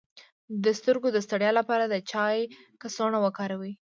د سترګو د ستړیا لپاره د چای کڅوړه وکاروئ